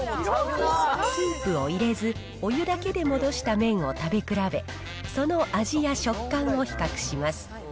スープを入れず、お湯だけで戻した麺を食べ比べ、その味や食感を比較します。